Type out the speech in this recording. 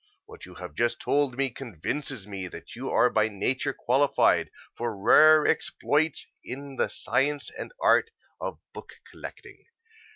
What you have just told me convinces me that you are by nature qualified for rare exploits in the science and art of book collecting.